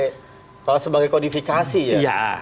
kalau sebagai kodifikasi ya